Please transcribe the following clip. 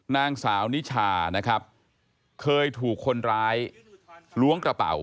นางสาวนิชานะครับเคยถูกคนร้ายล้วงกระเป๋า